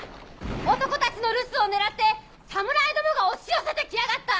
男たちの留守を狙って侍どもが押し寄せてきやがった。